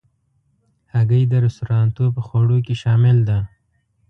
هګۍ د رستورانتو په خوړو کې شامل ده.